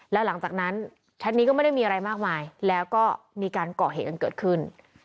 แล้วหลังจากนั้นแชทนี้ก็ไม่ได้มีอะไรมากมายแล้วก็มีการเกาะเหตุกันเกิดขึ้น